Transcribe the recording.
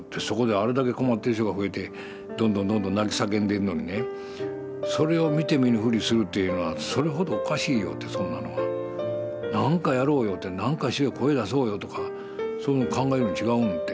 そこであれだけ困ってる人が増えてどんどんどんどん泣き叫んでるのにねそれを見て見ぬふりするっていうのはそれほどおかしいよってそんなのは。なんかやろうよってなんかしよう声出そうよとかそういうの考えるん違うん？